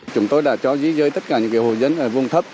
chúng tôi đã cho di dời tất cả những hồ dân ở vùng thấp